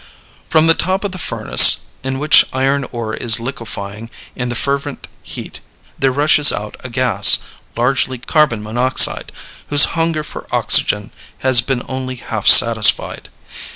From the top of the furnace in which iron ore is liquefying in the fervent heat there rushes out a gas, largely carbon monoxide, whose hunger for oxygen has been only half satisfied.